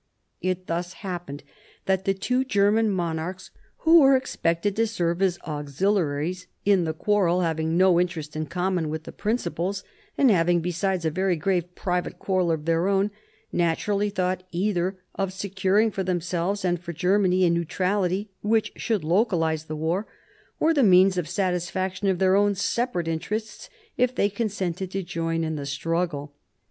It thus happened that the two German monarchs who were expected to serve as auxiliaries in the quarrel, having no interest in common with the principals, and having besides a very grave private quarrel of their own, naturally thought either of securing for themselves and for Germany a neutrality which should localise the war, or the means of satisfaction of their own separate interests if they consented to join in the struggle.